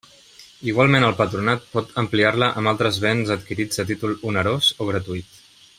Igualment el Patronat pot ampliar-la amb altres béns adquirits a títol onerós o gratuït.